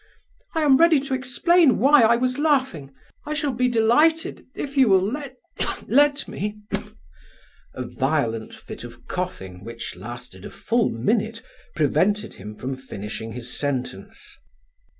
I am ready to explain why I was laughing. I shall be delighted if you will let me—" A violent fit of coughing, which lasted a full minute, prevented him from finishing his sentence.